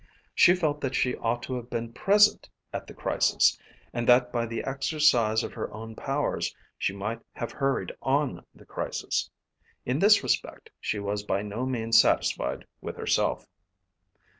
She felt that she ought to have been present at the crisis, and that by the exercise of her own powers she might have hurried on the crisis. In this respect she was by no means satisfied with herself.